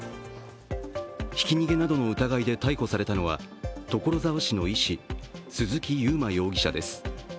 ひき逃げなどの疑いで逮捕されたのは所沢市の医師・鈴木佑麿容疑者です。